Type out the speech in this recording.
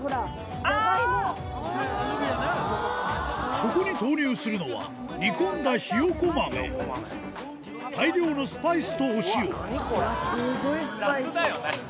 そこに投入するのは煮込んだひよこ豆大量のスパイスとお塩スゴいスパイス。